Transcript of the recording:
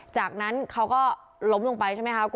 จากนั้นเขาก็ล้มลงไปใช่ไหมคะ